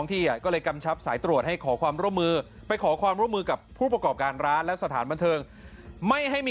โดยเฉพาะเหตุเวลาไหม้